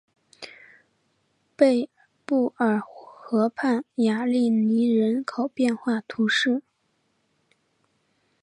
贝布尔河畔雅利尼人口变化图示